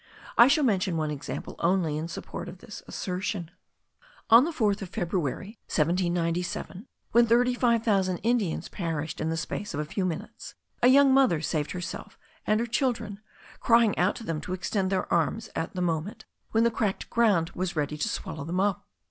I shall mention one example only in support of this assertion. On the 4th of February, 1797, when 35,000 Indians perished in the space of a few minutes, a young mother saved herself and her children, crying out to them to extend their arms at the moment when the cracked ground was ready to swallow them up.